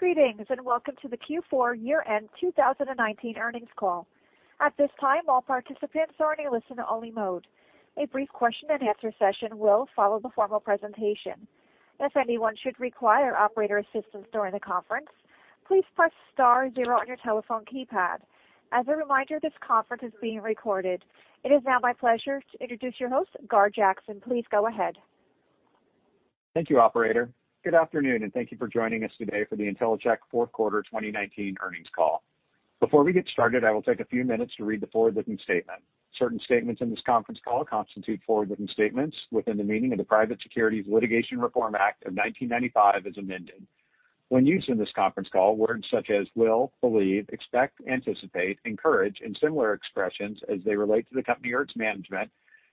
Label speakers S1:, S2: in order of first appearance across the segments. S1: Greetings and welcome to the Q4 Year-end 2019 Earnings Call. At this time, all participants are in a listen-only mode. A brief question-and-answer session will follow the formal presentation. If anyone should require operator assistance during the conference, please press star zero on your telephone keypad. As a reminder, this conference is being recorded. It is now my pleasure to introduce your host, Gar Jackson. Please go ahead.
S2: Thank you, Operator. Good afternoon, and thank you for joining us today for the Intellicheck Fourth Quarter 2019 Earnings Call. Before we get started, I will take a few minutes to read the forward-looking statement. Certain statements in this conference call constitute forward-looking statements within the meaning of the Private Securities Litigation Reform Act of 1995 as amended. When used in this conference call, words such as will, believe, expect, anticipate, encourage, and similar expressions as they relate to the company or its management,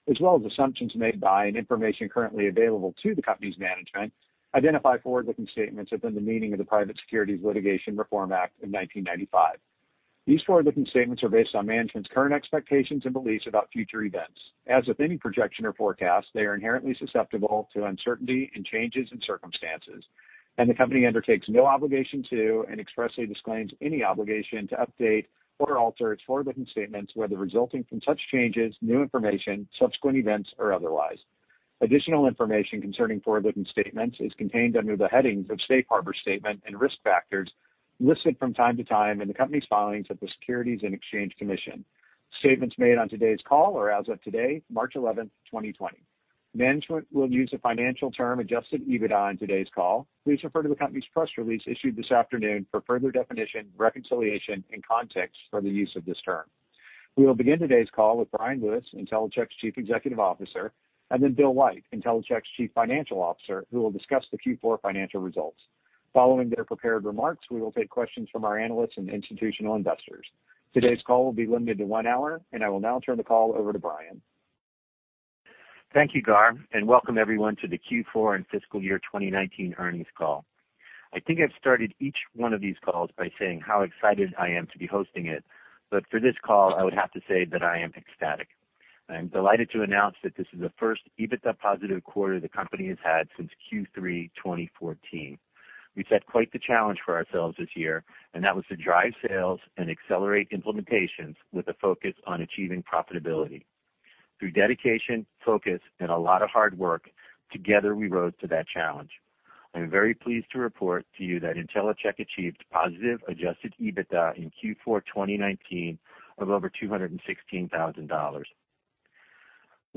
S2: as well as assumptions made by and information currently available to the company's management, identify forward-looking statements within the meaning of the Private Securities Litigation Reform Act of 1995. These forward-looking statements are based on management's current expectations and beliefs about future events. As with any projection or forecast, they are inherently susceptible to uncertainty and changes in circumstances, and the company undertakes no obligation to and expressly disclaims any obligation to update or alter its forward-looking statements whether resulting from such changes, new information, subsequent events, or otherwise. Additional information concerning forward-looking statements is contained under the headings of Safe Harbor Statement and Risk Factors listed from time to time in the company's filings at the Securities and Exchange Commission. Statements made on today's call are as of today, March 11th, 2020. Management will use the financial term Adjusted EBITDA on today's call. Please refer to the company's press release issued this afternoon for further definition, reconciliation, and context for the use of this term. We will begin today's call with Bryan Lewis, Intellicheck's Chief Executive Officer, and then Bill White, Intellicheck's Chief Financial Officer, who will discuss the Q4 financial results. Following their prepared remarks, we will take questions from our analysts and institutional investors. Today's call will be limited to one hour, and I will now turn the call over to Bryan.
S3: Thank you, Gar, and welcome everyone to the Q4 and fiscal year 2019 earnings call. I think I've started each one of these calls by saying how excited I am to be hosting it, but for this call, I would have to say that I am ecstatic. I am delighted to announce that this is the first EBITDA positive quarter the company has had since Q3 2014. We set quite the challenge for ourselves this year, and that was to drive sales and accelerate implementations with a focus on achieving profitability. Through dedication, focus, and a lot of hard work, together we rose to that challenge. I am very pleased to report to you that Intellicheck achieved positive adjusted EBITDA in Q4 2019 of over $216,000.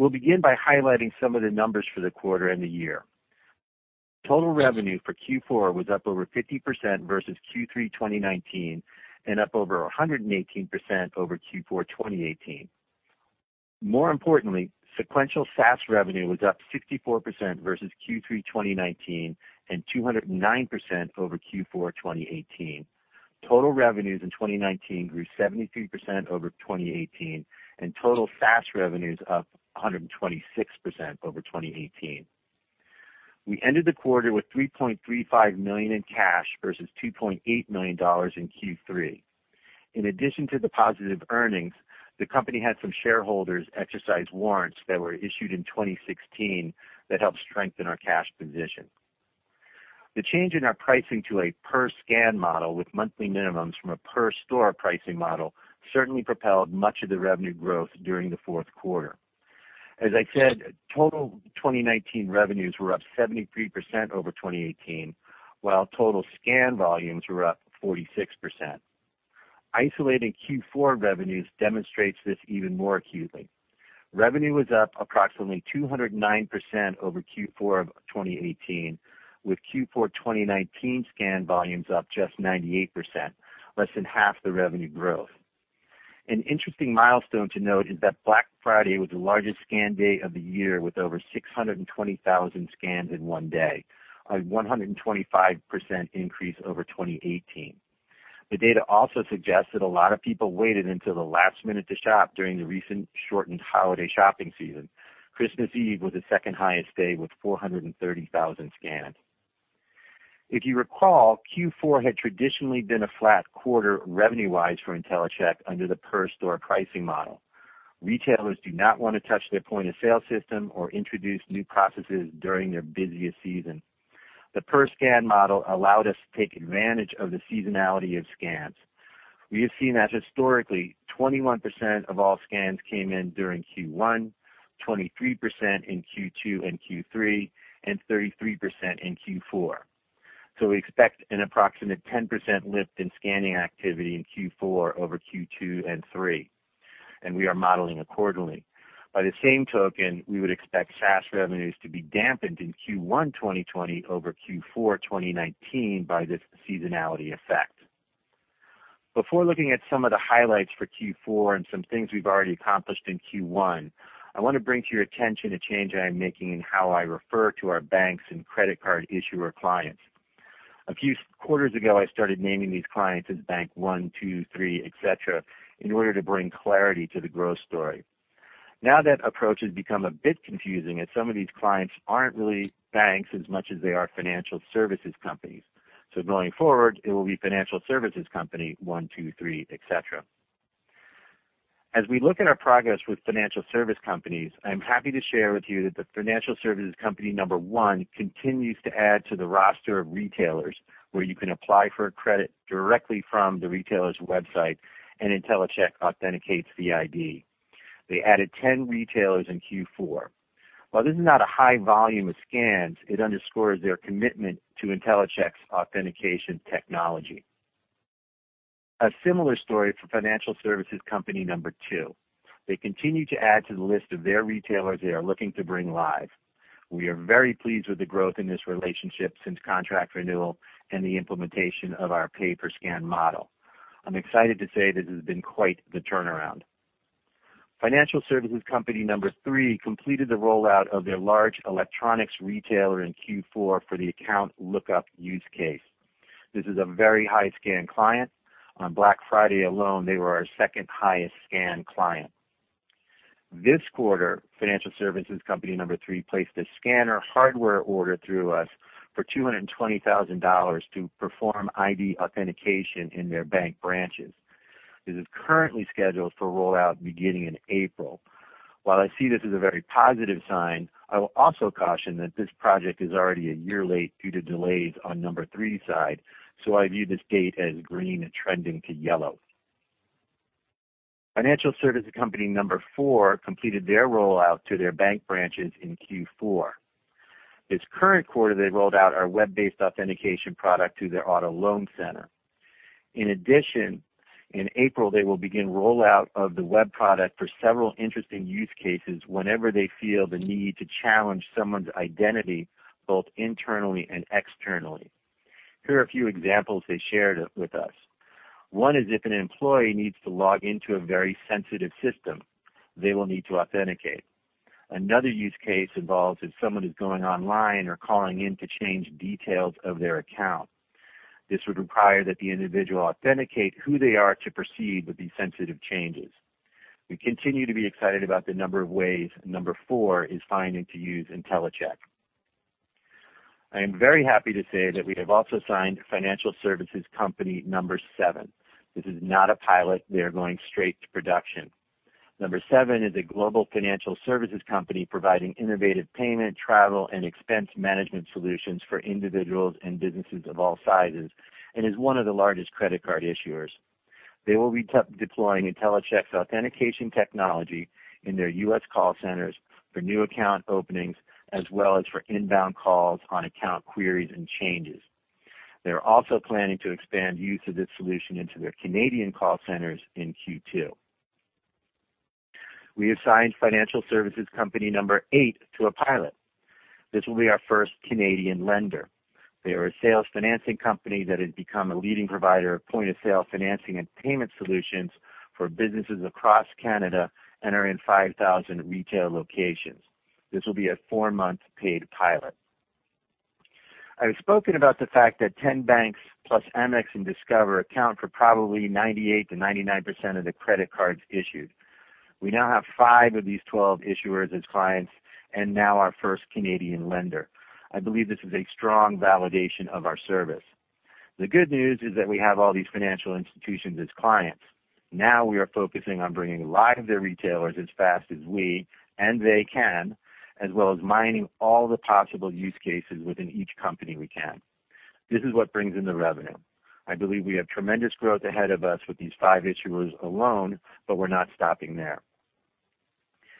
S3: We'll begin by highlighting some of the numbers for the quarter and the year. Total revenue for Q4 was up over 50% versus Q3 2019 and up over 118% over Q4 2018. More importantly, sequential SaaS revenue was up 64% versus Q3 2019 and 209% over Q4 2018. Total revenues in 2019 grew 73% over 2018, and total SaaS revenues up 126% over 2018. We ended the quarter with $3.35 million in cash versus $2.8 million in Q3. In addition to the positive earnings, the company had some shareholders exercise warrants that were issued in 2016 that helped strengthen our cash position. The change in our pricing to a per-scan model with monthly minimums from a per-store pricing model certainly propelled much of the revenue growth during the fourth quarter. As I said, total 2019 revenues were up 73% over 2018, while total scan volumes were up 46%. Isolating Q4 revenues demonstrates this even more acutely. Revenue was up approximately 209% over Q4 of 2018, with Q4 2019 scan volumes up just 98%, less than half the revenue growth. An interesting milestone to note is that Black Friday was the largest scan day of the year, with over 620,000 scans in one day, a 125% increase over 2018. The data also suggests that a lot of people waited until the last minute to shop during the recent shortened holiday shopping season. Christmas Eve was the second highest day with 430,000 scans. If you recall, Q4 had traditionally been a flat quarter revenue-wise for Intellicheck under the per-store pricing model. Retailers do not want to touch their point of sale system or introduce new processes during their busiest season. The per-scan model allowed us to take advantage of the seasonality of scans. We have seen that historically, 21% of all scans came in during Q1, 23% in Q2 and Q3, and 33% in Q4. So we expect an approximate 10% lift in scanning activity in Q4 over Q2 and Q3, and we are modeling accordingly. By the same token, we would expect SaaS revenues to be dampened in Q1 2020 over Q4 2019 by this seasonality effect. Before looking at some of the highlights for Q4 and some things we've already accomplished in Q1, I want to bring to your attention a change I am making in how I refer to our banks and credit card issuer clients. A few quarters ago, I started naming these clients as Bank One, Two, Three, etc., in order to bring clarity to the growth story. Now that approach has become a bit confusing as some of these clients aren't really banks as much as they are financial services companies, so going forward, it will be financial services company One, Two, Three, etc. As we look at our progress with financial services companies, I am happy to share with you that the financial services company number one continues to add to the roster of retailers where you can apply for a credit directly from the retailer's website, and Intellicheck authenticates the ID. They added 10 retailers in Q4. While this is not a high volume of scans, it underscores their commitment to Intellicheck's authentication technology. A similar story for financial services company number two. They continue to add to the list of their retailers they are looking to bring live. We are very pleased with the growth in this relationship since contract renewal and the implementation of our pay-per-scan model. I'm excited to say this has been quite the turnaround. Financial services company number three completed the rollout of their large electronics retailer in Q4 for the account lookup use case. This is a very high scan client. On Black Friday alone, they were our second highest scan client. This quarter, financial services company number three placed a scanner hardware order through us for $220,000 to perform ID authentication in their bank branches. This is currently scheduled for rollout beginning in April. While I see this as a very positive sign, I will also caution that this project is already a year late due to delays on number three's side, so I view this date as green and trending to yellow. Financial services company number four completed their rollout to their bank branches in Q4. This current quarter, they rolled out our web-based authentication product to their auto loan center. In addition, in April, they will begin rollout of the web product for several interesting use cases whenever they feel the need to challenge someone's identity both internally and externally. Here are a few examples they shared with us. One is if an employee needs to log into a very sensitive system, they will need to authenticate. Another use case involves if someone is going online or calling in to change details of their account. This would require that the individual authenticate who they are to proceed with these sensitive changes. We continue to be excited about the number of ways number four is finding to use Intellicheck. I am very happy to say that we have also signed financial services company number seven. This is not a pilot. They are going straight to production. Number seven is a global financial services company providing innovative payment, travel, and expense management solutions for individuals and businesses of all sizes and is one of the largest credit card issuers. They will be deploying Intellicheck's authentication technology in their U.S. call centers for new account openings as well as for inbound calls on account queries and changes. They are also planning to expand use of this solution into their Canadian call centers in Q2. We have signed financial services company number eight to a pilot. This will be our first Canadian lender. They are a sales financing company that has become a leading provider of point of sale financing and payment solutions for businesses across Canada and are in 5,000 retail locations. This will be a four-month paid pilot. I have spoken about the fact that 10 banks plus Amex and Discover account for probably 98%-99% of the credit cards issued. We now have five of these 12 issuers as clients and now our first Canadian lender. I believe this is a strong validation of our service. The good news is that we have all these financial institutions as clients. Now we are focusing on bringing live their retailers as fast as we and they can, as well as mining all the possible use cases within each company we can. This is what brings in the revenue. I believe we have tremendous growth ahead of us with these five issuers alone, but we're not stopping there.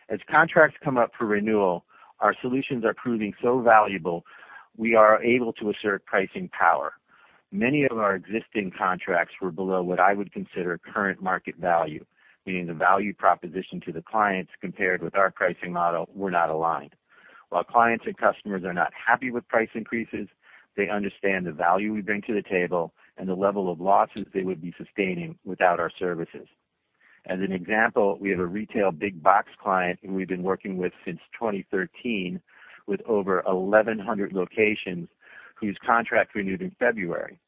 S3: As contracts come up for renewal, our solutions are proving so valuable we are able to assert pricing power. Many of our existing contracts were below what I would consider current market value, meaning the value proposition to the clients compared with our pricing model were not aligned. While clients and customers are not happy with price increases, they understand the value we bring to the table and the level of losses they would be sustaining without our services. As an example, we have a retail big box client who we've been working with since 2013 with over 1,100 locations whose contract renewed in February.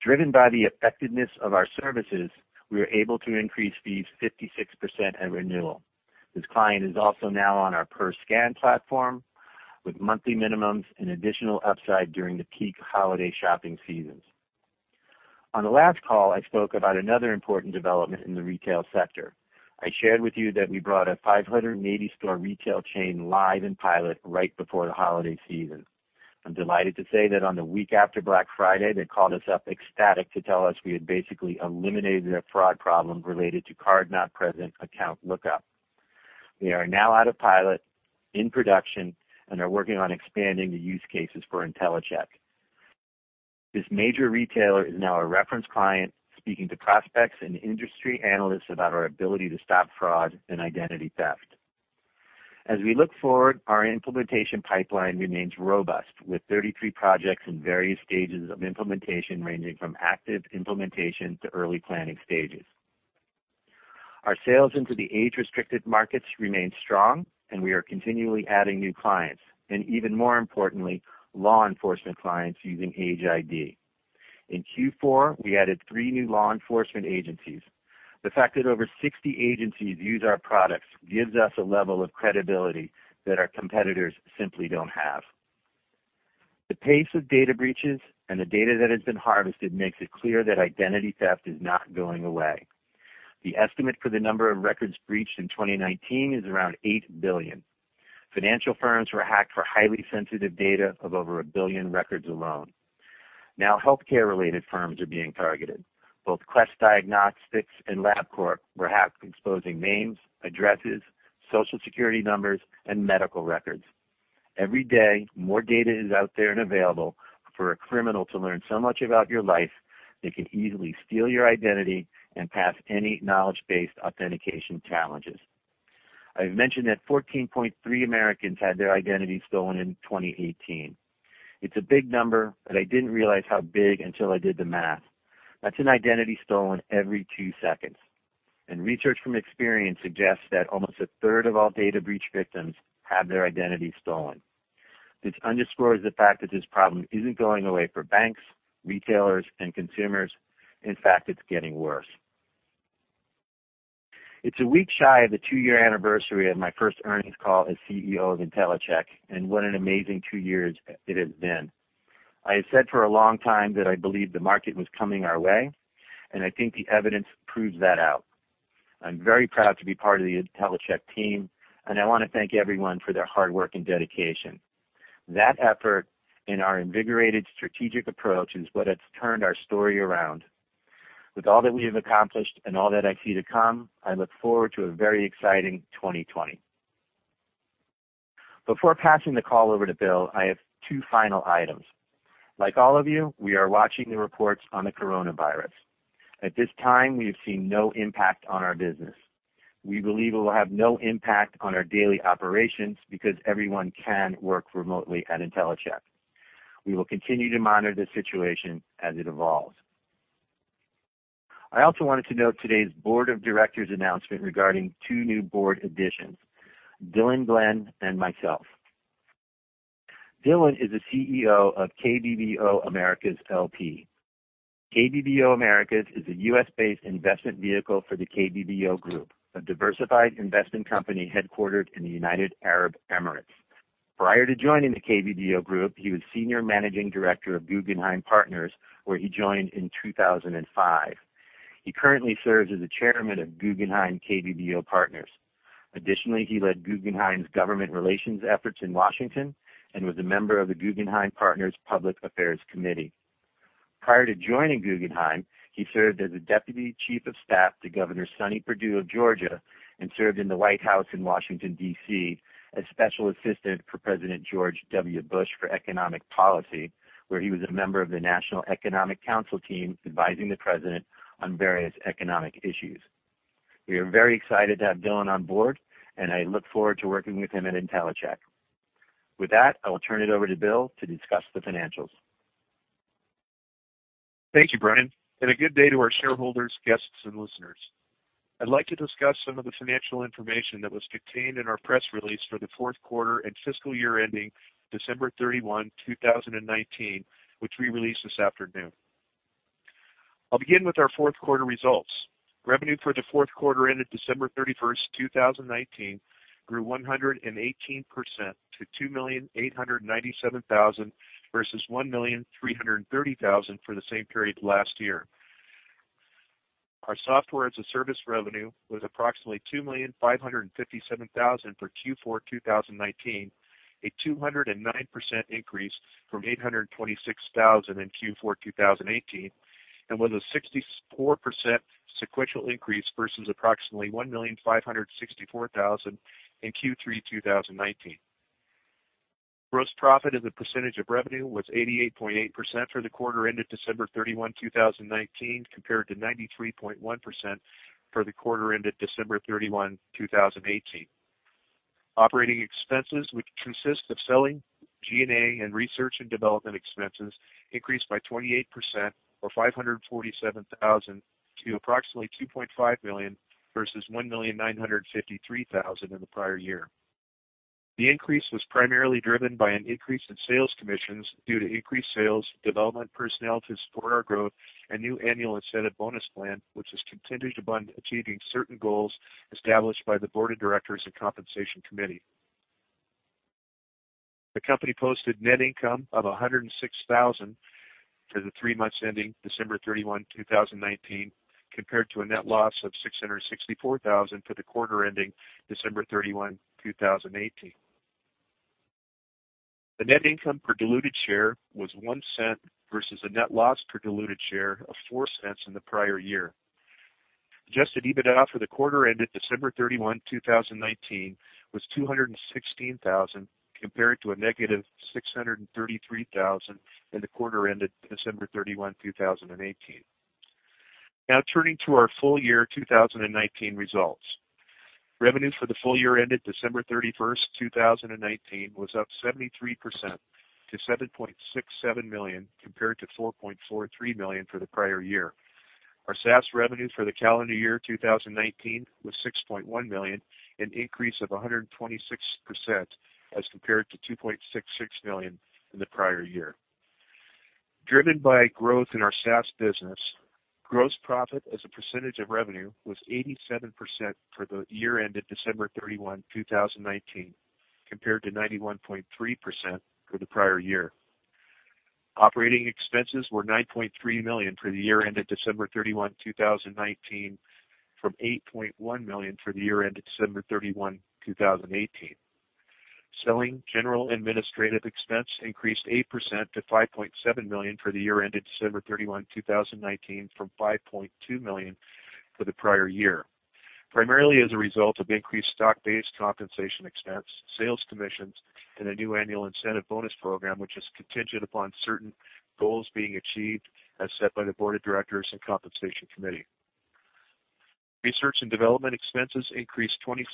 S3: Driven by the effectiveness of our services, we were able to increase fees 56% at renewal. This client is also now on our per-scan platform with monthly minimums and additional upside during the peak holiday shopping seasons. On the last call, I spoke about another important development in the retail sector. I shared with you that we brought a 580-store retail chain live in pilot right before the holiday season. I'm delighted to say that on the week after Black Friday, they called us up ecstatic to tell us we had basically eliminated their fraud problem related to card not present account lookup. They are now out of pilot, in production, and are working on expanding the use cases for Intellicheck. This major retailer is now a reference client speaking to prospects and industry analysts about our ability to stop fraud and identity theft. As we look forward, our implementation pipeline remains robust with 33 projects in various stages of implementation ranging from active implementation to early planning stages. Our sales into the age-restricted markets remain strong, and we are continually adding new clients and, even more importantly, law enforcement clients using Age ID. In Q4, we added three new law enforcement agencies. The fact that over 60 agencies use our products gives us a level of credibility that our competitors simply don't have. The pace of data breaches and the data that has been harvested makes it clear that identity theft is not going away. The estimate for the number of records breached in 2019 is around eight billion. Financial firms were hacked for highly sensitive data of over one billion records alone. Now, healthcare-related firms are being targeted. Both Quest Diagnostics and LabCorp were hacked, exposing names, addresses, Social Security numbers, and medical records. Every day, more data is out there and available for a criminal to learn so much about your life they can easily steal your identity and pass any knowledge-based authentication challenges. I've mentioned that 14.3 million Americans had their identity stolen in 2018. It's a big number, but I didn't realize how big until I did the math. That's an identity stolen every two seconds. And research from Experian suggests that almost a third of all data breach victims have their identity stolen. This underscores the fact that this problem isn't going away for banks, retailers, and consumers. In fact, it's getting worse. It's a week shy of the two-year anniversary of my first earnings call as CEO of Intellicheck, and what an amazing two years it has been. I have said for a long time that I believe the market was coming our way, and I think the evidence proves that out. I'm very proud to be part of the Intellicheck team, and I want to thank everyone for their hard work and dedication. That effort and our invigorated strategic approach is what has turned our story around. With all that we have accomplished and all that I see to come, I look forward to a very exciting 2020. Before passing the call over to Bill, I have two final items. Like all of you, we are watching the reports on the coronavirus. At this time, we have seen no impact on our business. We believe it will have no impact on our daily operations because everyone can work remotely at Intellicheck. We will continue to monitor the situation as it evolves. I also wanted to note today's Board of Directors announcement regarding two new board additions: Dylan Glenn and myself. Dylan is the CEO of KBBO Americas LP. KBBO Americas is a U.S.-based investment vehicle for the KBBO Group, a diversified investment company headquartered in the United Arab Emirates. Prior to joining the KBBO Group, he was Senior Managing Director of Guggenheim Partners, where he joined in 2005. He currently serves as the Chairman of Guggenheim KBBO Partners. Additionally, he led Guggenheim's government relations efforts in Washington and was a member of the Guggenheim Partners Public Affairs Committee. Prior to joining Guggenheim, he served as the deputy chief of staff to Governor Sonny Perdue of Georgia and served in the White House in Washington, D.C., as special assistant for President George W. Bush. for economic policy, where he was a member of the National Economic Council team advising the president on various economic issues. We are very excited to have Dylan on board, and I look forward to working with him at Intellicheck. With that, I will turn it over to Bill to discuss the financials.
S4: Thank you, Bryan. And a good day to our shareholders, guests, and listeners. I'd like to discuss some of the financial information that was contained in our press release for the fourth quarter and fiscal year ending December 31, 2019, which we released this afternoon. I'll begin with our fourth quarter results. Revenue for the fourth quarter ended December 31st, 2019, grew 118% to $2,897,000 versus $1,330,000 for the same period last year. Our software as a service revenue was approximately $2,557,000 for Q4 2019, a 209% increase from $826,000 in Q4 2018, and was a 64% sequential increase versus approximately $1,564,000 in Q3 2019. Gross profit as a percentage of revenue was 88.8% for the quarter ended December 31, 2019, compared to 93.1% for the quarter ended December 31, 2018. Operating expenses, which consist of selling, G&A, and research and development expenses, increased by 28%, or $547,000, to approximately $2.5 million versus $1,953,000 in the prior year. The increase was primarily driven by an increase in sales commissions due to increased sales, development personnel to support our growth, and new annual incentive bonus plan, which has continued to fund achieving certain goals established by the board of directors and compensation committee. The company posted net income of $106,000 for the three months ending December 31, 2019, compared to a net loss of $664,000 for the quarter ending December 31, 2018. The net income per diluted share was $0.01 versus a net loss per diluted share of $0.04 in the prior year. Adjusted EBITDA for the quarter ended December 31, 2019, was $216,000, compared to a negative $633,000 in the quarter ended December 31, 2018. Now turning to our full year 2019 results. Revenue for the full year ended December 31st, 2019, was up 73% to $7.67 million compared to $4.43 million for the prior year. Our SaaS revenue for the calendar year 2019 was $6.1 million, an increase of 126% as compared to $2.66 million in the prior year. Driven by growth in our SaaS business, gross profit as a percentage of revenue was 87% for the year ended December 31, 2019, compared to 91.3% for the prior year. Operating expenses were $9.3 million for the year ended December 31, 2019, from $8.1 million for the year ended December 31, 2018. Selling general administrative expense increased 8% to $5.7 million for the year ended December 31, 2019, from $5.2 million for the prior year, primarily as a result of increased stock-based compensation expense, sales commissions, and a new annual incentive bonus program, which is contingent upon certain goals being achieved, as set by the board of directors and compensation committee. Research and development expenses increased 26%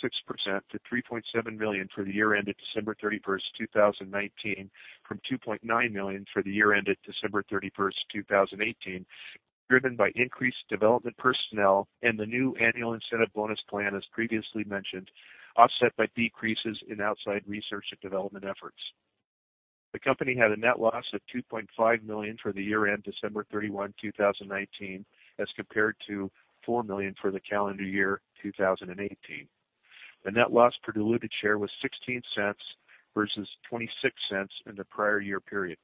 S4: to $3.7 million for the year ended December 31st, 2019, from $2.9 million for the year ended December 31st, 2018, driven by increased development personnel and the new annual incentive bonus plan, as previously mentioned, offset by decreases in outside research and development efforts. The company had a net loss of $2.5 million for the year ended December 31, 2019, as compared to $4 million for the calendar year 2018. The net loss per diluted share was $0.16 versus $0.26 in the prior year period.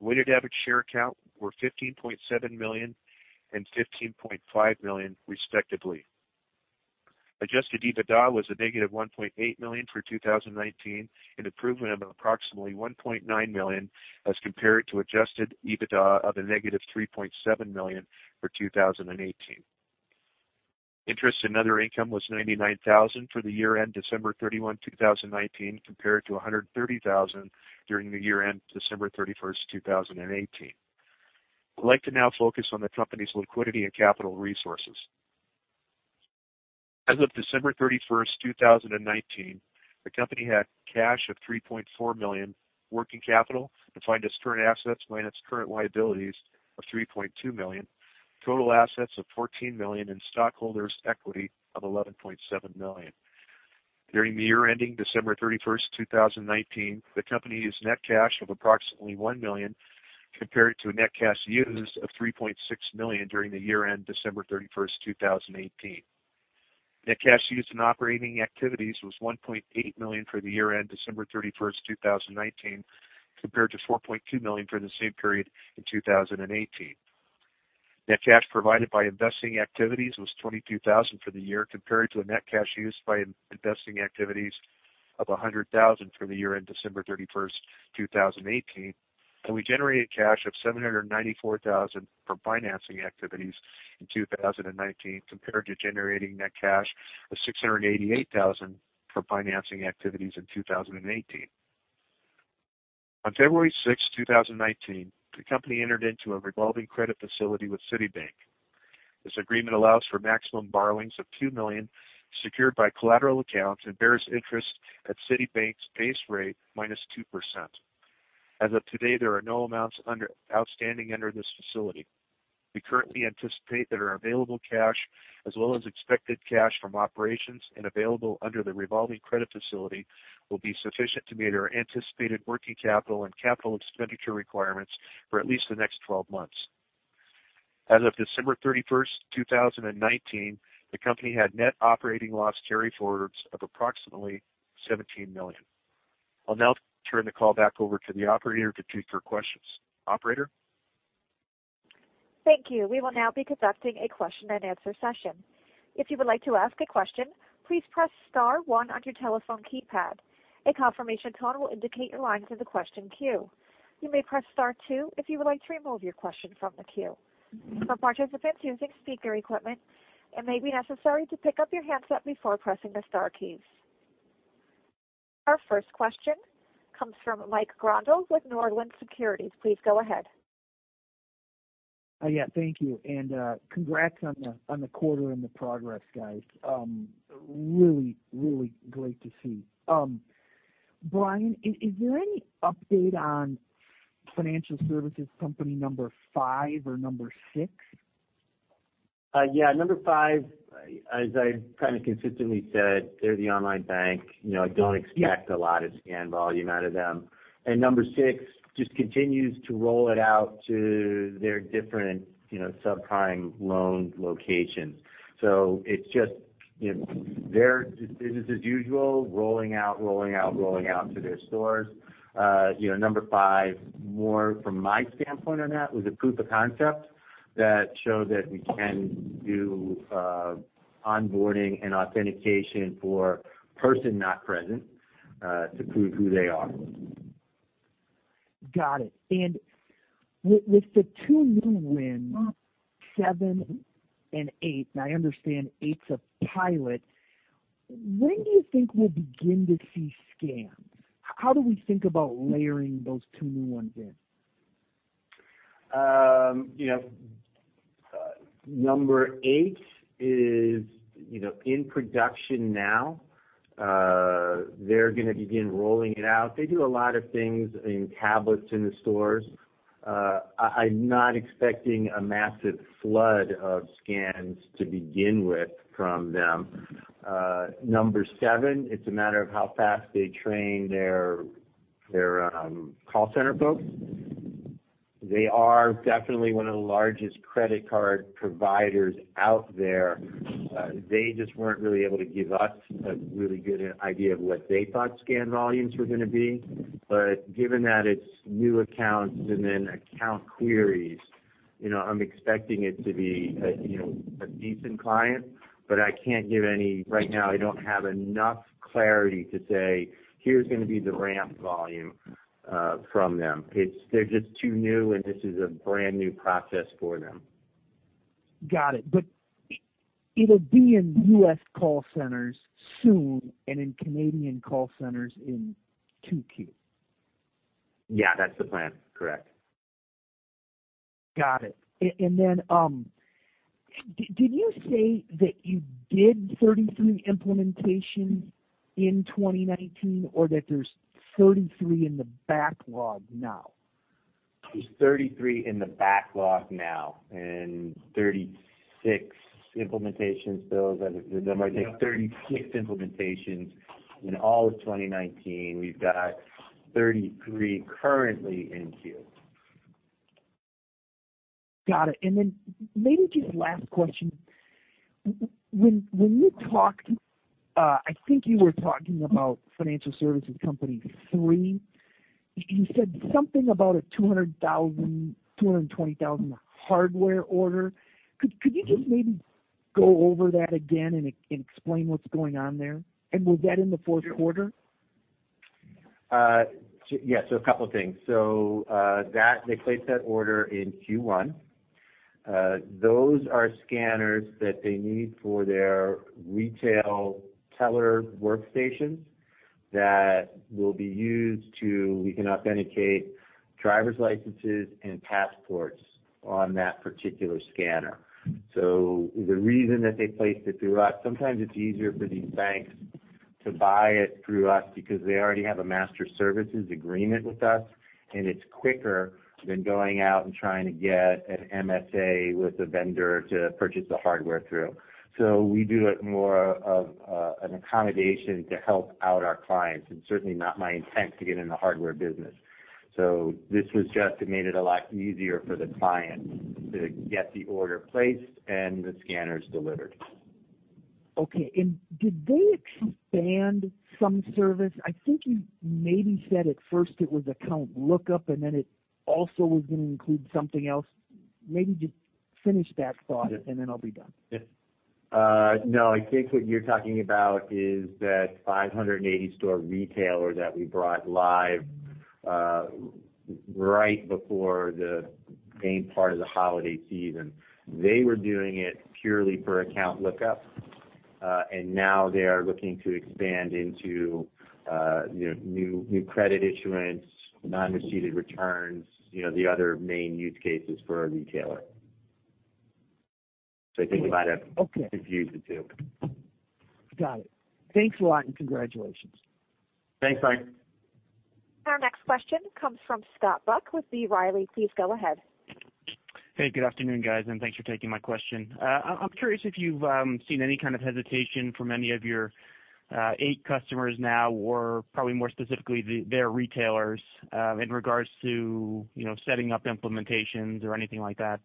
S4: Weighted average share count were 15.7 million and 15.5 million, respectively. Adjusted EBITDA was a negative $1.8 million for 2019, an improvement of approximately $1.9 million as compared to adjusted EBITDA of a negative $3.7 million for 2018. Interest and other income was $99,000 for the year ended December 31, 2019, compared to $130,000 during the year ended December 31st, 2018. I'd like to now focus on the company's liquidity and capital resources. As of December 31st, 2019, the company had cash of $3.4 million, working capital defined as current assets minus current liabilities of $3.2 million, total assets of $14 million, and stockholders' equity of $11.7 million. During the year ending December 31st, 2019, the company used net cash of approximately $1 million compared to net cash used of $3.6 million during the year ended December 31st, 2018. Net cash used in operating activities was $1.8 million for the year ended December 31st, 2019, compared to $4.2 million for the same period in 2018. Net cash provided by investing activities was $22,000 for the year compared to a net cash used by investing activities of $100,000 for the year ended December 31st, 2018, and we generated cash of $794,000 from financing activities in 2019 compared to generating net cash of $688,000 from financing activities in 2018. On February 6th, 2019, the company entered into a revolving credit facility with Citibank. This agreement allows for maximum borrowings of $2 million secured by collateral accounts and bears interest at Citibank's base rate minus 2%. As of today, there are no amounts outstanding under this facility. We currently anticipate that our available cash, as well as expected cash from operations and available under the revolving credit facility, will be sufficient to meet our anticipated working capital and capital expenditure requirements for at least the next 12 months. As of December 31st, 2019, the company had net operating loss carryforwards of approximately $17 million. I'll now turn the call back over to the operator to take your questions. Operator?
S1: Thank you. We will now be conducting a question and answer session. If you would like to ask a question, please press star one on your telephone keypad. A confirmation tone will indicate your line is in the question queue. You may press star two if you would like to remove your question from the queue. For participants using speaker equipment, it may be necessary to pick up your handset before pressing the star keys. Our first question comes from Mike Grondahl with Northland Securities. Please go ahead.
S5: Yeah, thank you. And congrats on the quarter and the progress, guys. Really, really great to see. Bryan, is there any update on financial services company number five or number six?
S3: Yeah, number five, as I kind of consistently said, they're the online bank. I don't expect a lot of scan volume out of them. And number six just continues to roll it out to their different subprime loan locations. So it's just their business as usual, rolling out, rolling out, rolling out to their stores. Number five, more from my standpoint on that, was a proof of concept that showed that we can do onboarding and authentication for person not present to prove who they are.
S5: Got it. And with the two new ones, seven and eight, and I understand eight's a pilot, when do you think we'll begin to see scans? How do we think about layering those two new ones in?
S3: Number eight is in production now. They're going to begin rolling it out. They do a lot of things in tablets in the stores. I'm not expecting a massive flood of scans to begin with from them. Number seven, it's a matter of how fast they train their call center folks. They are definitely one of the largest credit card providers out there. They just weren't really able to give us a really good idea of what they thought scan volumes were going to be. But given that it's new accounts and then account queries, I'm expecting it to be a decent client, but I can't give any. Right now, I don't have enough clarity to say, "Here's going to be the ramp volume from them." They're just too new, and this is a brand new process for them.
S5: Got it. But it'll be in U.S. call centers soon and in Canadian call centers in 2Q.
S3: Yeah, that's the plan. Correct.
S5: Got it. And then did you say that you did 33 implementations in 2019 or that there's 33 in the backlog now?
S3: There's 33 in the backlog now and 36 implementations. Those are the numbers. I think 36 implementations in all of 2019. We've got 33 currently in queue.
S5: Got it. And then maybe just last question. When you talked, I think you were talking about financial services company three. You said something about a $220,000 hardware order. Could you just maybe go over that again and explain what's going on there? And was that in the fourth quarter?
S3: Yes. So a couple of things. So they placed that order in Q1. Those are scanners that they need for their retail teller workstations that will be used to authenticate driver's licenses and passports on that particular scanner. So the reason that they placed it through us, sometimes it's easier for these banks to buy it through us because they already have a master services agreement with us, and it's quicker than going out and trying to get an MSA with a vendor to purchase the hardware through. So we do it more of an accommodation to help out our clients. It's certainly not my intent to get in the hardware business. So this was just to make it a lot easier for the client to get the order placed and the scanners delivered.
S5: Okay. And did they expand some service? I think you maybe said at first it was account lookup, and then it also was going to include something else. Maybe just finish that thought, and then I'll be done.
S3: No, I think what you're talking about is that 580 store retailer that we brought live right before the main part of the holiday season. They were doing it purely for account lookup, and now they are looking to expand into new credit issuance, non-receipted returns, the other main use cases for a retailer. So I think you might have confused the two.
S5: Got it. Thanks a lot and congratulations.
S3: Thanks, [Grondahl].
S1: Our next question comes from Scott Buck with B. Riley FBR. Please go ahead.
S6: Hey, good afternoon, guys, and thanks for taking my question. I'm curious if you've seen any kind of hesitation from any of your eight customers now, or probably more specifically their retailers, in regards to setting up implementations or anything like that,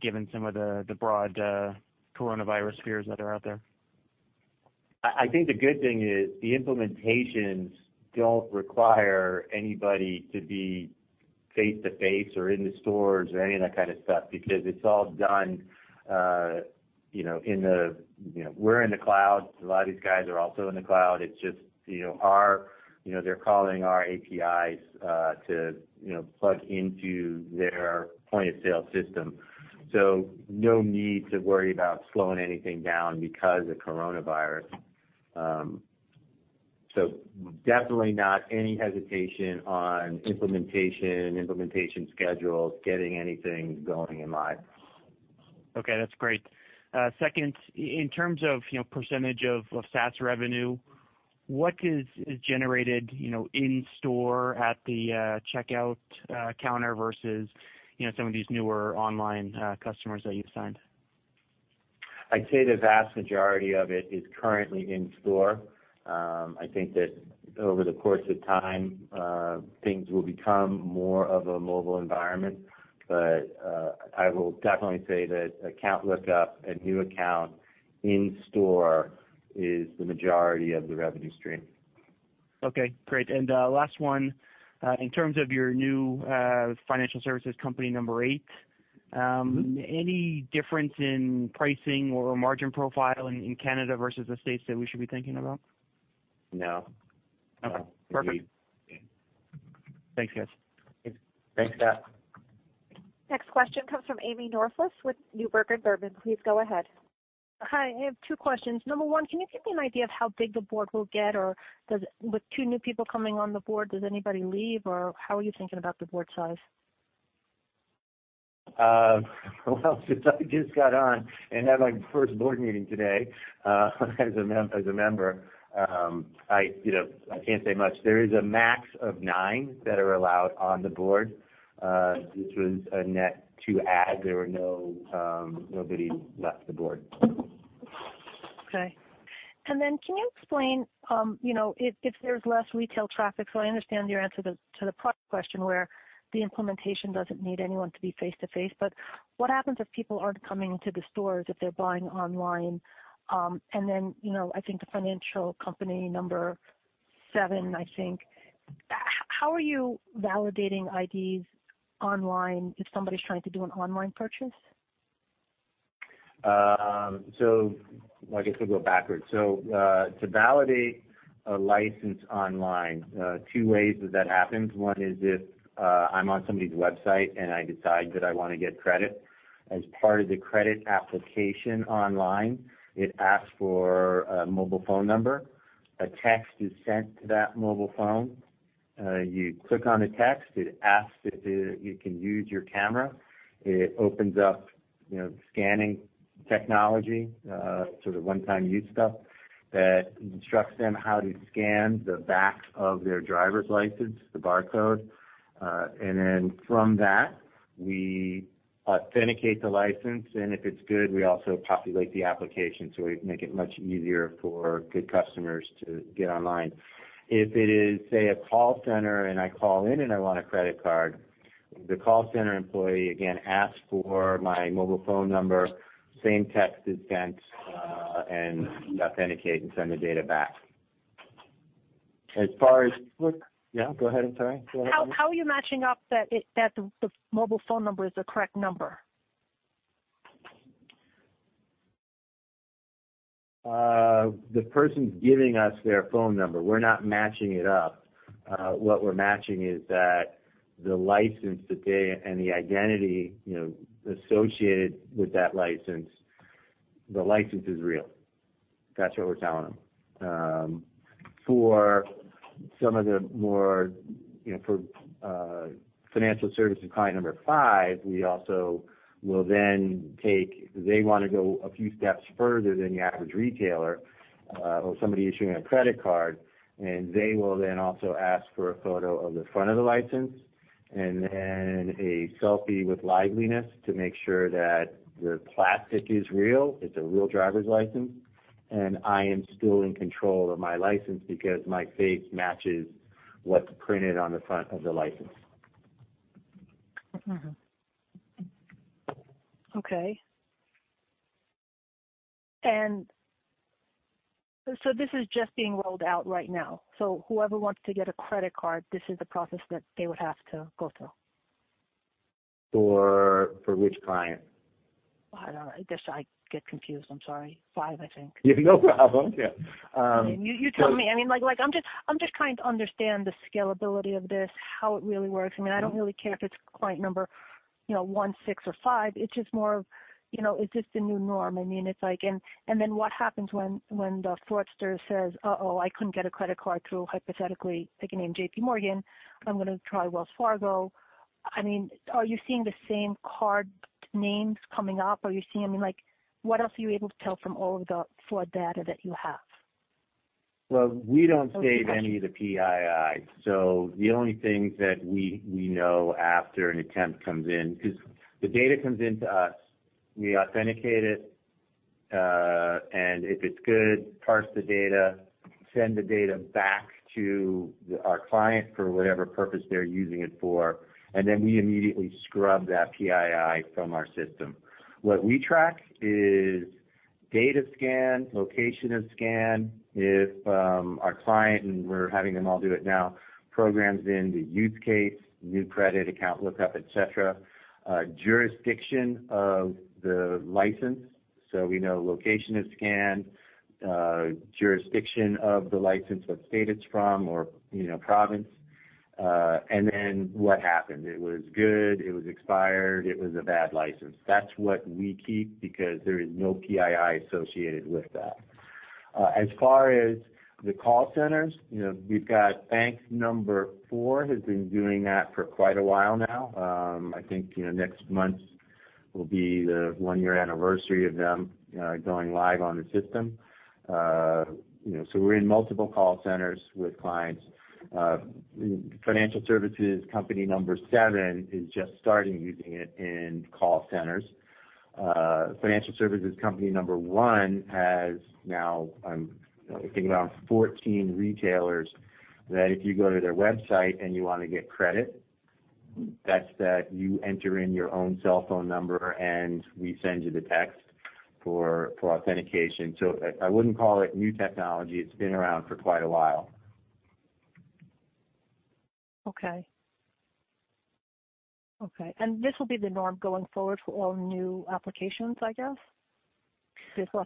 S6: given some of the broad coronavirus fears that are out there.
S3: I think the good thing is the implementations don't require anybody to be face-to-face or in the stores or any of that kind of stuff because it's all done in the cloud. We're in the cloud. A lot of these guys are also in the cloud. It's just they're calling our APIs to plug into their point-of-sale system. So no need to worry about slowing anything down because of coronavirus. So definitely not any hesitation on implementation, implementation schedules, getting anything going live.
S6: Okay, that's great. Second, in terms of percentage of SaaS revenue, what is generated in store at the checkout counter versus some of these newer online customers that you've signed?
S3: I'd say the vast majority of it is currently in store. I think that over the course of time, things will become more of a mobile environment, but I will definitely say that account lookup and new account in store is the majority of the revenue stream.
S6: Okay, great. And last one, in terms of your new financial services company number eight, any difference in pricing or margin profile in Canada versus the states that we should be thinking about?
S3: No.
S6: Okay. Perfect. Thanks, guys.
S3: Thanks, Scott.
S1: Next question comes from Amy Norflus with Neuberger Berman. Please go ahead.
S7: Hi, I have two questions. Number one, can you give me an idea of how big the board will get, or with two new people coming on the board, does anybody leave, or how are you thinking about the board size?
S3: Well, since I just got on and had my first board meeting today as a member, I can't say much. There is a max of nine that are allowed on the board, which was a net to add. There were no, nobody left the board.
S7: Okay. And then can you explain if there's less retail traffic? So I understand your answer to the prior question where the implementation doesn't need anyone to be face-to-face, but what happens if people aren't coming to the stores if they're buying online? And then I think the financial company number seven, I think, how are you validating IDs online if somebody's trying to do an online purchase?
S3: So I guess we'll go backwards. So to validate a license online, two ways that happens. One is if I'm on somebody's website and I decide that I want to get credit. As part of the credit application online, it asks for a mobile phone number. A text is sent to that mobile phone. You click on the text. It asks if you can use your camera. It opens up scanning technology, sort of one-time use stuff that instructs them how to scan the back of their driver's license, the barcode. And then from that, we authenticate the license, and if it's good, we also populate the application so we make it much easier for good customers to get online. If it is, say, a call center and I call in and I want a credit card, the call center employee, again, asks for my mobile phone number. Same text is sent and we authenticate and send the data back. As far as yeah, go ahead. I'm sorry. Go ahead.
S7: How are you matching up that the mobile phone number is the correct number? The person's giving us their phone number.
S3: We're not matching it up. What we're matching is that the license and the identity associated with that license, the license is real. That's what we're telling them. For some of the more for financial services client number five, we also will then take they want to go a few steps further than the average retailer or somebody issuing a credit card, and they will then also ask for a photo of the front of the license and then a selfie with liveness to make sure that the plastic is real. It's a real driver's license, and I am still in control of my license because my face matches what's printed on the front of the license.
S7: Okay, and so this is just being rolled out right now, so whoever wants to get a credit card, this is the process that they would have to go through?
S3: For which client?
S7: I guess I get confused. I'm sorry. Five, I think.
S3: No problem. Yeah. You tell me.
S7: I mean, I'm just trying to understand the scalability of this, how it really works. I mean, I don't really care if it's client number one, six, or five. It's just more of is this the new norm? I mean, it's like and then what happens when the fraudster says, "Uh-oh, I couldn't get a credit card through, hypothetically, a name JPMorgan. I'm going to try Wells Fargo." I mean, are you seeing the same card names coming up? Are you seeing I mean, what else are you able to tell from all of the fraud data that you have?
S3: Well, we don't save any of the PII. So the only thing that we know after an attempt comes in because the data comes into us. We authenticate it, and if it's good, parse the data, send the data back to our client for whatever purpose they're using it for, and then we immediately scrub that PII from our system. What we track is data scan, location of scan. If our client, and we're having them all do it now, programs in the use case, new credit account lookup, etc., jurisdiction of the license. So we know location of scan, jurisdiction of the license, what state it's from, or province, and then what happened. It was good. It was expired. It was a bad license. That's what we keep because there is no PII associated with that. As far as the call centers, we've got bank number four has been doing that for quite a while now. I think next month will be the one-year anniversary of them going live on the system. We're in multiple call centers with clients. Financial services company number seven is just starting using it in call centers. Financial services company number one has now, I think, around 14 retailers that if you go to their website and you want to get credit, that's that you enter in your own cell phone number, and we send you the text for authentication. I wouldn't call it new technology. It's been around for quite a while.
S7: Okay. Okay. This will be the norm going forward for all new applications, I guess? This will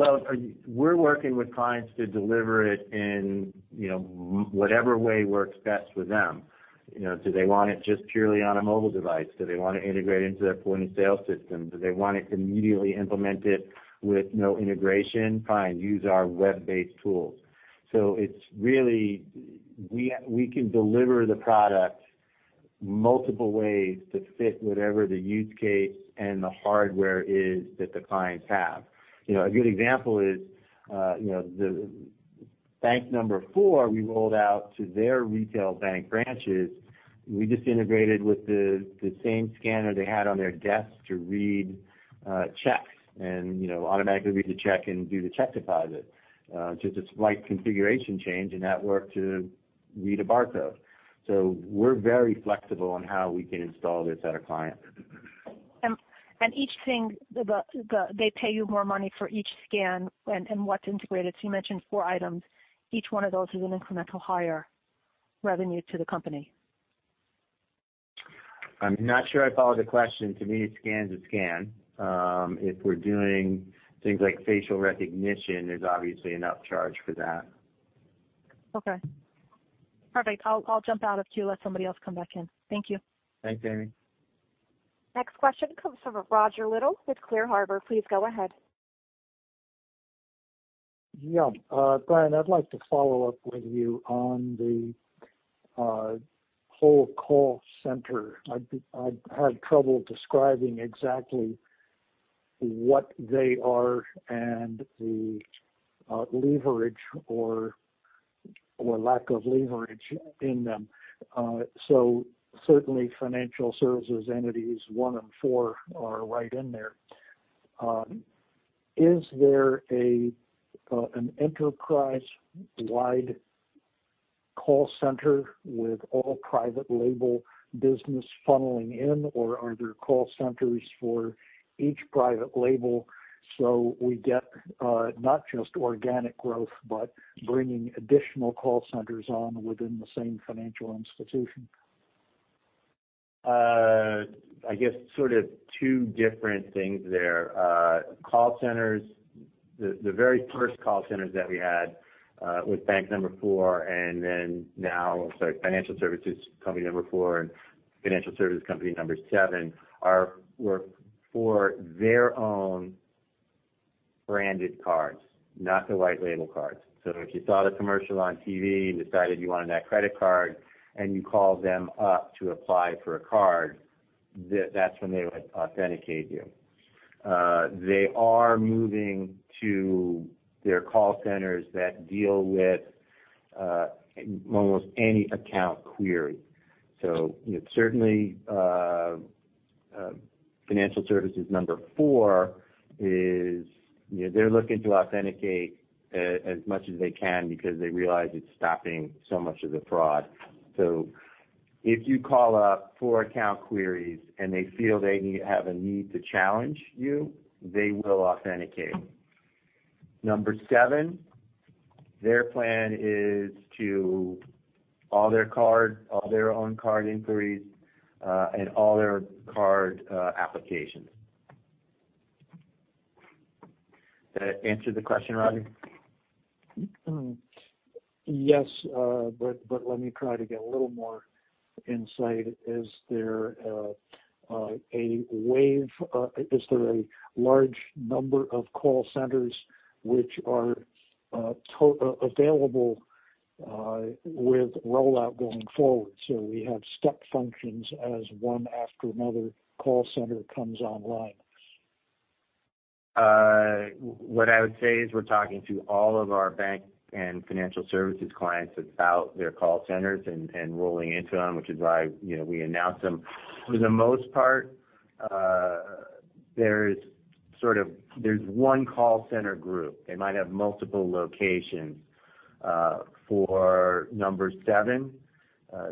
S7: have to be the norm?
S3: We're working with clients to deliver it in whatever way works best for them. Do they want it just purely on a mobile device? Do they want it integrated into their point of sale system? Do they want it to immediately implement it with no integration? Clients use our web-based tools. So it's really we can deliver the product multiple ways to fit whatever the use case and the hardware is that the clients have. A good example is bank number four. We rolled out to their retail bank branches. We just integrated with the same scanner they had on their desk to read checks and automatically read the check and do the check deposit. Just a slight configuration change, and that worked to read a barcode. So we're very flexible on how we can install this at a client.
S7: And each thing, they pay you more money for each scan and what's integrated. So you mentioned four items. Each one of those is an incremental higher revenue to the company.
S3: I'm not sure I followed the question. To me, scans are scans. If we're doing things like facial recognition, there's obviously enough charge for that.
S7: Okay. Perfect. I'll jump out of queue. Let somebody else come back in. Thank you.
S3: Thanks, Amy.
S1: Next question comes from Roger Liddell with Clear Harbor. Please go ahead.
S8: Yeah. Bryan, I'd like to follow up with you on the whole call center. I had trouble describing exactly what they are and the leverage or lack of leverage in them. So certainly, financial services entities one and four are right in there. Is there an enterprise-wide call center with all private label business funneling in, or are there call centers for each private label so we get not just organic growth but bringing additional call centers on within the same financial institution? I guess sort of two different things there.
S3: The very first call centers that we had with bank number four and then now, sorry, financial services company number four and financial services company number seven were for their own branded cards, not the white label cards. So if you saw the commercial on TV and decided you wanted that credit card and you called them up to apply for a card, that's when they would authenticate you. They are moving to their call centers that deal with almost any account query. So certainly, financial services number four is they're looking to authenticate as much as they can because they realize it's stopping so much of the fraud. So if you call up for account queries and they feel they have a need to challenge you, they will authenticate. Number seven, their plan is to all their card, all their own card inquiries, and all their card applications. Does that answer the question, Roger?
S8: Yes, but let me try to get a little more insight. Is there a wave? Is there a large number of call centers which are available with rollout going forward? So we have step functions as one after another call center comes online.
S3: What I would say is we're talking to all of our bank and financial services clients about their call centers and rolling into them, which is why we announced them. For the most part, there's one call center group. They might have multiple locations. For number seven,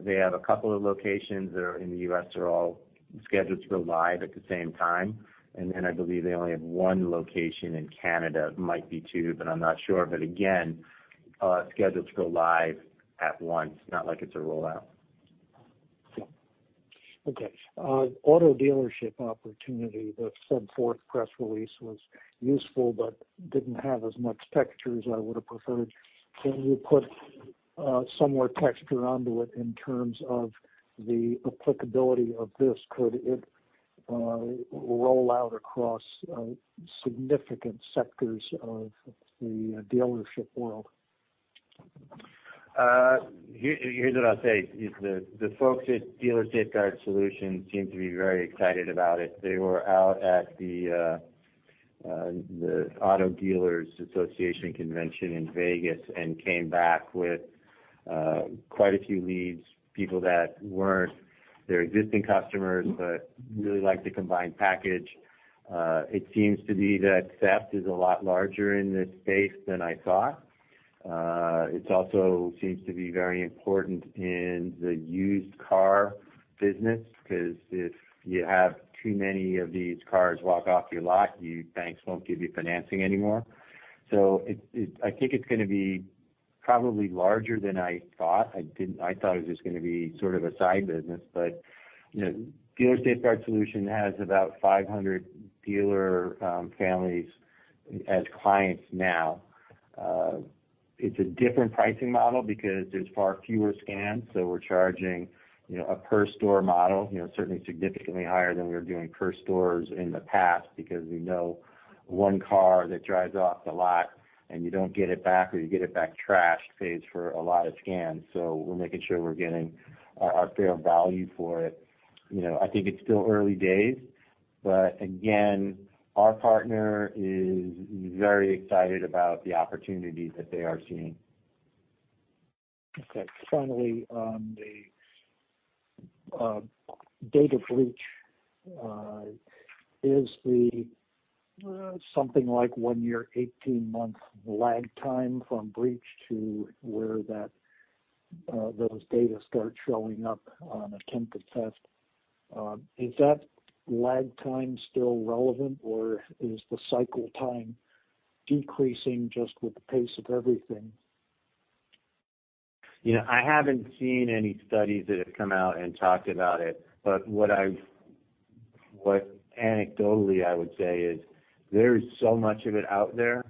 S3: they have a couple of locations that are in the U.S. that are all scheduled to go live at the same time. And then I believe they only have one location in Canada. It might be two, but I'm not sure. But again, scheduled to go live at once, not like it's a rollout.
S8: Okay. Auto dealership opportunity. The Q4 press release was useful but didn't have as much texture as I would have preferred. Can you put some more texture onto it in terms of the applicability of this? Could it roll out across significant sectors of the dealership world?
S3: Here's what I'll say. The folks at Dealer Safeguard Solutions seem to be very excited about it. They were out at the Auto Dealers Association convention in Vegas and came back with quite a few leads, people that weren't their existing customers but really liked the combined package. It seems to be that theft is a lot larger in this space than I thought. It also seems to be very important in the used car business because if you have too many of these cars walk off your lot, the banks won't give you financing anymore. So I think it's going to be probably larger than I thought. I thought it was just going to be sort of a side business, but Dealer Safeguard Solutions has about 500 dealer families as clients now. It's a different pricing model because there's far fewer scans, so we're charging a per-store model, certainly significantly higher than we were doing per stores in the past because we know one car that drives off the lot and you don't get it back or you get it back trashed pays for a lot of scans. So we're making sure we're getting our fair value for it. I think it's still early days, but again, our partner is very excited about the opportunity that they are seeing.
S8: Okay. Finally, on the data breach, is there something like one year, 18 months lag time from breach to where those data start showing up on attempted theft? Is that lag time still relevant, or is the cycle time decreasing just with the pace of everything?
S3: I haven't seen any studies that have come out and talked about it, but what anecdotally I would say is there's so much of it out there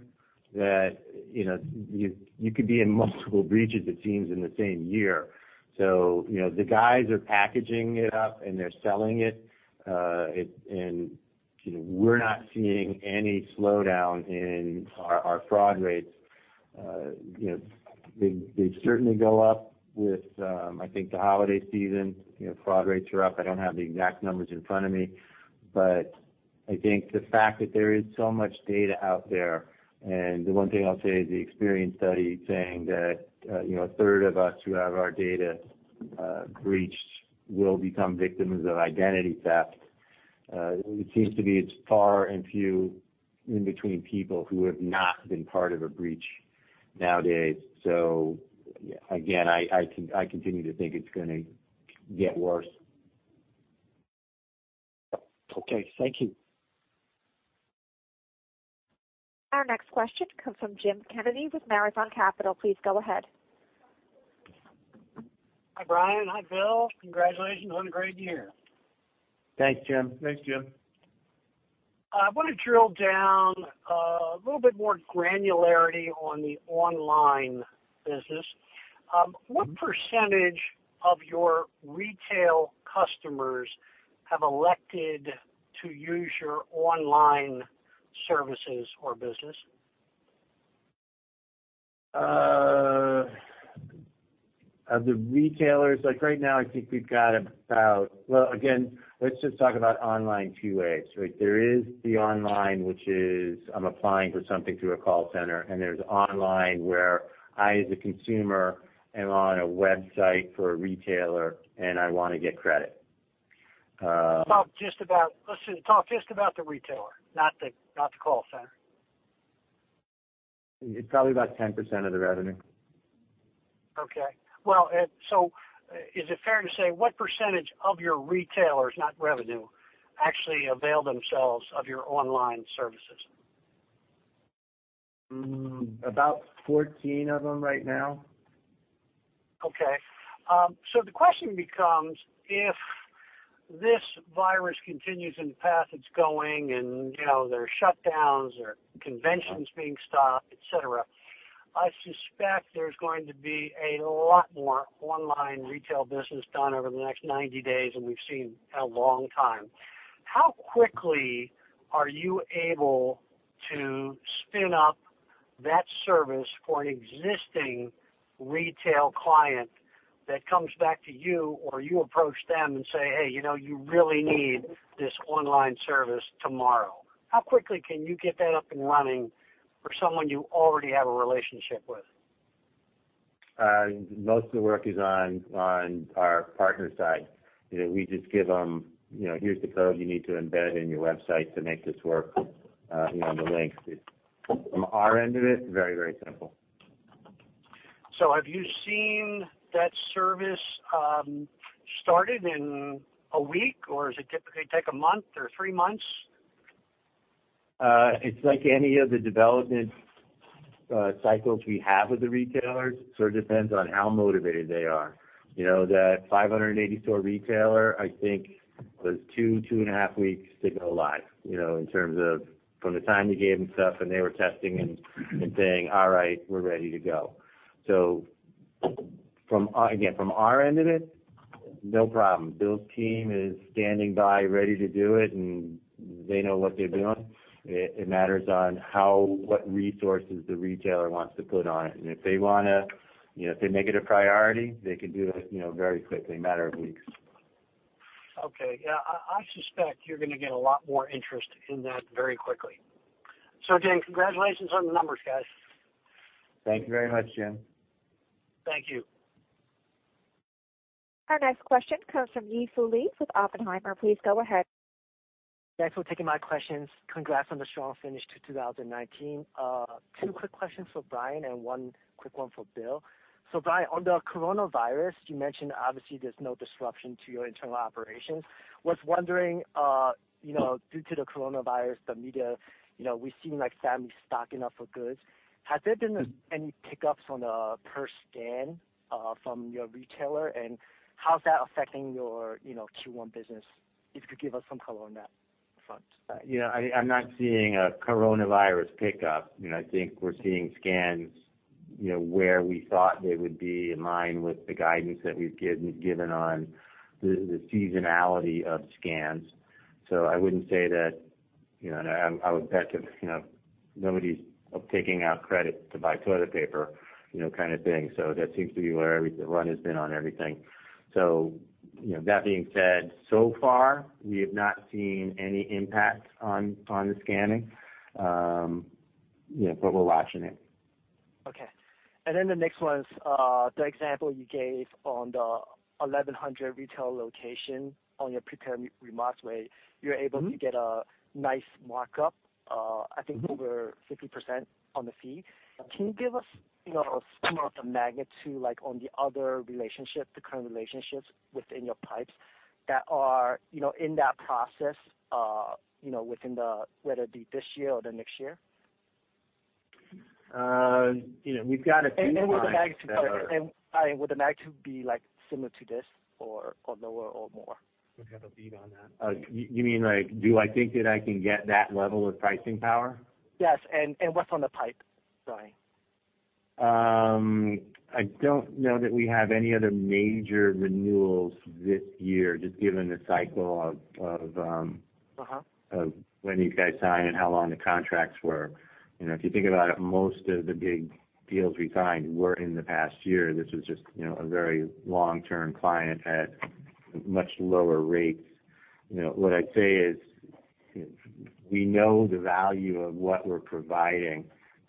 S3: that you could be in multiple breaches it seems in the same year. So the guys are packaging it up, and they're selling it, and we're not seeing any slowdown in our fraud rates. They certainly go up with, I think, the holiday season. Fraud rates are up. I don't have the exact numbers in front of me, but I think the fact that there is so much data out there, and the one thing I'll say is the Experian study saying that a third of us who have our data breached will become victims of identity theft. It seems to be few and far between people who have not been part of a breach nowadays. So again, I continue to think it's going to get worse.
S8: Okay. Thank you.
S1: Our next question comes from Jim Kennedy with Marathon Capital. Please go ahead.
S9: Hi, Bryan. Hi, Bill. Congratulations on a great year.
S3: Thanks, Jim.
S4: Thanks, Jim.
S9: I want to drill down a little bit more granularity on the online business. What percentage of your retail customers have elected to use your online services or business?
S3: Of the retailers, like right now, I think we've got about, well, again, let's just talk about online two ways. There is the online which is I'm applying for something through a call center, and there's online where I, as a consumer, am on a website for a retailer, and I want to get credit.
S9: Let's talk just about the retailer, not the call center.
S3: It's probably about 10% of the revenue.
S9: Okay. Well, so is it fair to say what percentage of your retailers, not revenue, actually avail themselves of your online services?
S3: About 14 of them right now.
S9: Okay. So the question becomes, if this virus continues in the path it's going and there are shutdowns or conventions being stopped, etc., I suspect there's going to be a lot more online retail business done over the next 90 days, and we've seen a long time. How quickly are you able to spin up that service for an existing retail client that comes back to you, or you approach them and say, "Hey, you really need this online service tomorrow"? How quickly can you get that up and running for someone you already have a relationship with?
S3: Most of the work is on our partner side. We just give them, "Here's the code you need to embed in your website to make this work," the links. From our end of it, very, very simple.
S9: So have you seen that service started in a week, or does it typically take a month or three months?
S3: It's like any of the development cycles we have with the retailers. It sort of depends on how motivated they are. That 580-store retailer, I think, was two, two and a half weeks to go live in terms of from the time you gave them stuff, and they were testing and saying, "All right, we're ready to go." So again, from our end of it, no problem. Bill's team is standing by, ready to do it, and they know what they're doing. It matters on what resources the retailer wants to put on it. And if they want to, if they make it a priority, they can do it very quickly, a matter of weeks.
S9: Okay. Yeah. I suspect you're going to get a lot more interest in that very quickly. So again, congratulations on the numbers, guys.
S3: Thank you very much, Jim.
S9: Thank you.
S1: Our next question comes from Yi Fu Lee with Oppenheimer. Please go ahead.
S10: Thanks for taking my questions. Congrats on the strong finish to 2019. Two quick questions for Bryan and one quick one for Bill. So Bryan, on the coronavirus, you mentioned obviously there's no disruption to your internal operations. I was wondering, due to the coronavirus, the media, we've seen families stocking up for goods. Have there been any pickups on the per scan from your retailer, and how's that affecting your Q1 business? If you could give us some color on that front.
S3: I'm not seeing a coronavirus pickup. I think we're seeing scans where we thought they would be in line with the guidance that we've given on the seasonality of scans. So I wouldn't say that I would bet nobody's taking out credit to buy toilet paper kind of thing. So that seems to be where the run has been on everything. So that being said, so far, we have not seen any impact on the scanning, but we're watching it.
S10: Okay. And then the next one is the example you gave on the 1,100 retail locations in your prepared remarks where you're able to get a nice markup, I think over 50% on the fee. Can you give us some of the magnitude on the other relationships, the current relationships within your pipeline that are in that process within the, whether it be this year or the next year?
S3: We've got a few.
S10: And what would the magnitude be like similar to this or lower or more?
S4: We'll have a bead on that.
S3: You mean do I think that I can get that level of pricing power?
S10: Yes. And what's on the pipeline? Sorry.
S3: I don't know that we have any other major renewals this year, just given the cycle of when these guys signed and how long the contracts were. If you think about it, most of the big deals we signed were in the past year. This was just a very long-term client at much lower rates. What I'd say is we know the value of what we're providing.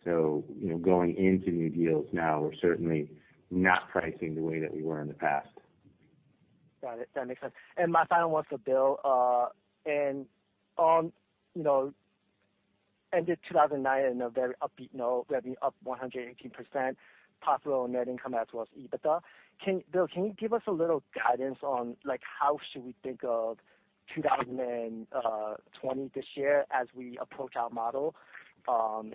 S3: So going into new deals now, we're certainly not pricing the way that we were in the past.
S10: Got it. That makes sense. And my final one for Bill. And on that note we ended 2019 in a very upbeat note, revenue up 118%, positive net income as well as EBITDA. Bill, can you give us a little guidance on how should we think of 2020 this year as we approach our model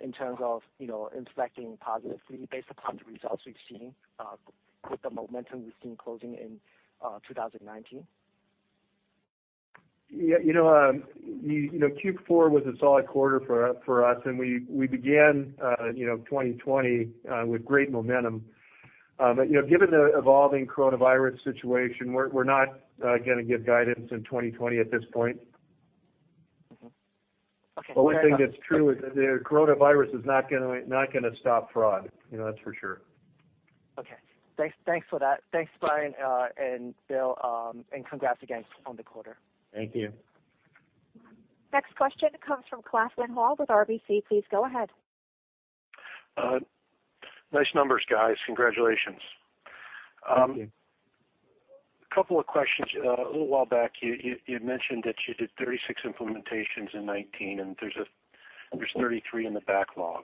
S10: in terms of inflecting positively based upon the results we've seen with the momentum we've seen closing in 2019?
S4: Yeah. Q4 was a solid quarter for us, and we began 2020 with great momentum. But given the evolving coronavirus situation, we're not going to give guidance in 2020 at this point. The only thing that's true is the coronavirus is not going to stop fraud. That's for sure.
S10: Okay. Thanks for that. Thanks, Bryan and Bill, and congrats again on the quarter.
S3: Thank you.
S1: Next question comes from Claflin Hall with RBC. Please go ahead.
S11: Nice numbers, guys. Congratulations. Thank you. A couple of questions. A little while back, you had mentioned that you did 36 implementations in 2019, and there's 33 in the backlog.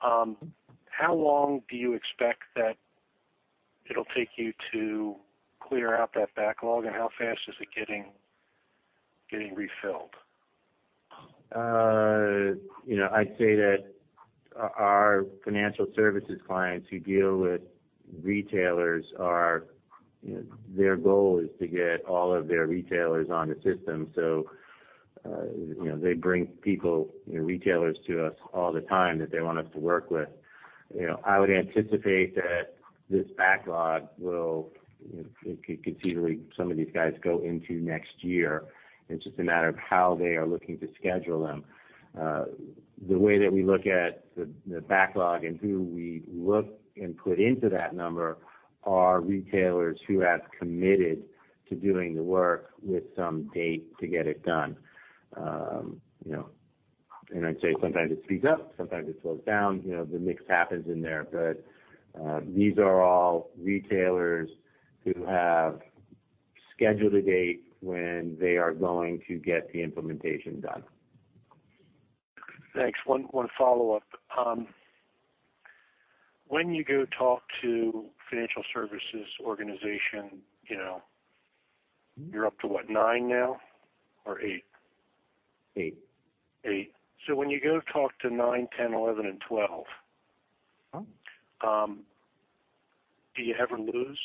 S11: How long do you expect that it'll take you to clear out that backlog, and how fast is it getting refilled?
S3: I'd say that our financial services clients who deal with retailers, their goal is to get all of their retailers on the system. So they bring people, retailers, to us all the time that they want us to work with. I would anticipate that this backlog will conceivably, some of these guys go into next year. It's just a matter of how they are looking to schedule them. The way that we look at the backlog and who we look and put into that number are retailers who have committed to doing the work with some date to get it done. And I'd say sometimes it speeds up, sometimes it slows down. The mix happens in there, but these are all retailers who have scheduled a date when they are going to get the implementation done.
S11: Thanks. One follow-up. When you go talk to financial services organization, you're up to what, nine now or eight?
S3: Eight.
S11: Eight. So when you go talk to nine, 10, 11, and 12, do you ever lose?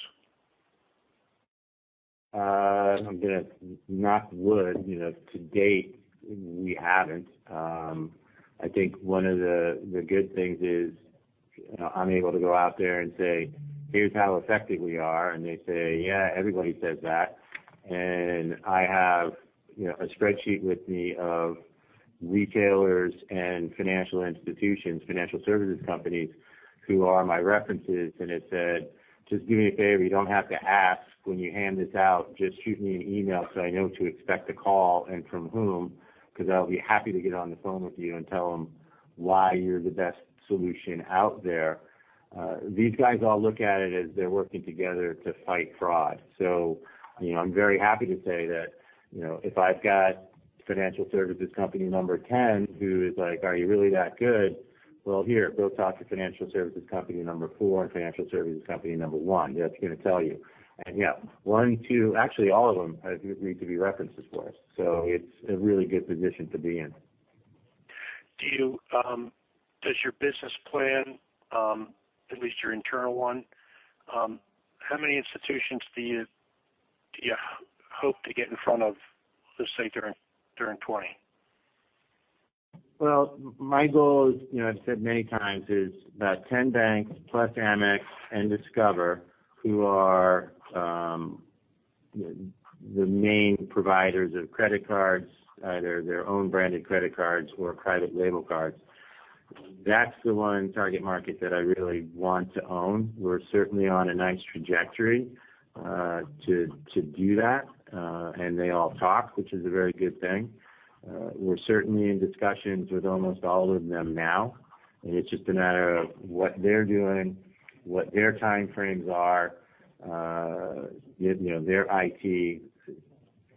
S3: I'm going to knock on wood. To date, we haven't. I think one of the good things is I'm able to go out there and say, "Here's how effective we are," and they say, "Yeah, everybody says that." And I have a spreadsheet with me of retailers and financial institutions, financial services companies who are my references, and it said, "Just do me a favor. You don't have to ask. When you hand this out, just shoot me an email so I know to expect a call and from whom because I'll be happy to get on the phone with you and tell them why you're the best solution out there." These guys all look at it as they're working together to fight fraud, so I'm very happy to say that if I've got financial services company number 10 who is like, "Are you really that good?" Well, here, go talk to financial services company number four and financial services company number one. That's going to tell you, and yeah, one, two, actually all of them need to be references for us. So it's a really good position to be in.
S11: Does your business plan, at least your internal one, how many institutions do you hope to get in front of, let's say, during 2020?
S3: My goal, as I've said many times, is about 10 banks plus Amex and Discover who are the main providers of credit cards, either their own branded credit cards or private label cards. That's the one target market that I really want to own. We're certainly on a nice trajectory to do that, and they all talk, which is a very good thing. We're certainly in discussions with almost all of them now, and it's just a matter of what they're doing, what their time frames are, their IT.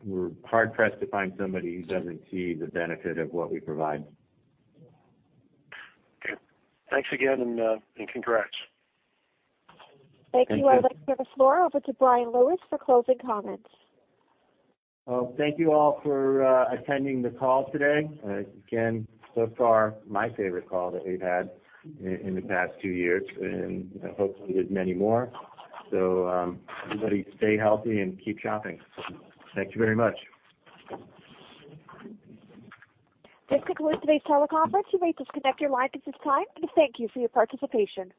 S3: We're hard-pressed to find somebody who doesn't see the benefit of what we provide.
S11: Okay. Thanks again and congrats.
S1: Thank you. I'd like to give the floor to Bryan Lewis for closing comments.
S3: Thank you all for attending the call today. Again, so far, my favorite call that we've had in the past two years, and I hope we get many more. So everybody stay healthy and keep shopping. Thank you very much.
S1: This concludes today's teleconference. You may disconnect your lines at this time and thank you for your participation.